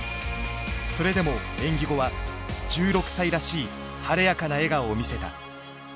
それでも演技後は１６歳らしい晴れやかな笑顔を見せた。